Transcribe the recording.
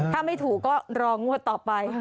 ถ้าไม่ถูกก็รองวดต่อไป